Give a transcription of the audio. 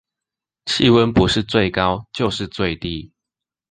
氣溫不是最高就是最低